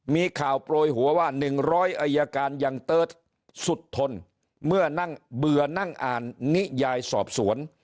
มีข่าวโปรยหัวว่า๑๐๐อายการยังเติร์ทสุดทนเมื่อนั่งเบื่อนั่งอ่านนิยายสอบสวน